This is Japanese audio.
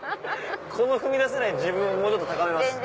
この踏み出せない自分をもうちょっと高めます。